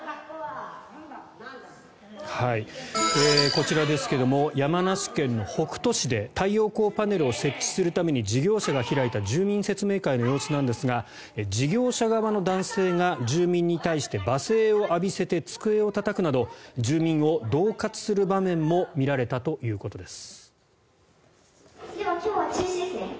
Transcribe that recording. こちらですけれど山梨県の北杜市で太陽光パネルを設置するために事業者が開いた住民説明会の様子なんですが事業者側の男性が住民に対して罵声を浴びせて机をたたくなど住民をどう喝する場面も見られたということです。